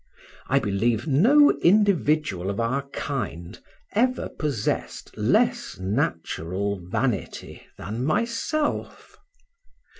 I believe no individual of our kind ever possessed less natural vanity than myself.